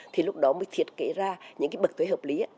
thì lúc đó mới thiết kế ra những cái bậc thuế hợp lý